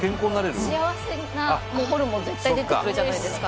幸せなホルモン絶対出てくるじゃないですか